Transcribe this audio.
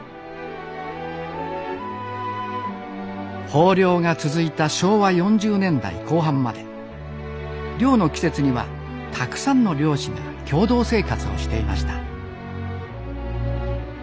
豊漁が続いた昭和４０年代後半まで漁の季節にはたくさんの漁師が共同生活をしていました。